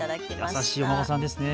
優しいお孫さんですね。